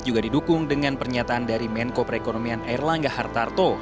juga didukung dengan pernyataan dari menko perekonomian erlangga hartarto